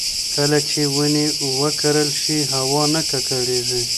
کله چې ونې وکرل شي، هوا نه ککړېږي.